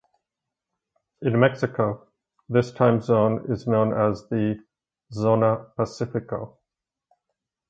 In Mexico, this time zone is known as the Zona Pacifico.